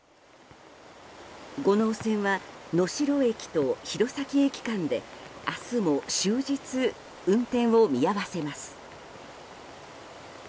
五能線は能代駅と弘前駅間で明日も終日運転を見合わせます。